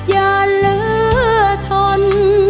อย่าเลอทน